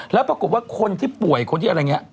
แล้วปรากฏว่าคนที่ป่วยคนที่อะไรอย่างนี้